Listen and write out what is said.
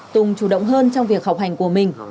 tùng chủ động hơn trong việc học hành của mình